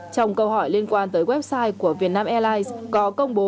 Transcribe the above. trong câu hỏi liên quan tới website của vietnam airlines